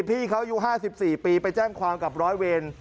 พี่เขาอายุ๕๔ปีไปแจ้งความกับร้อยเวร